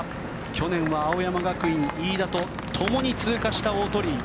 去年は青山学院、飯田とともに通過した大鳥居。